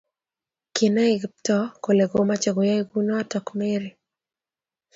Kinai Kiptoo kole komache koyay kunotok Mary